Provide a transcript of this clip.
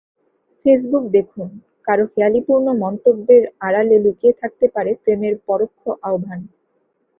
Facebook দেখুন— কারও হেঁয়ালিপূর্ণ মন্তব্যের আড়ালে লুকিয়ে থাকতে পারে প্রেমের পরোক্ষ আহ্বান।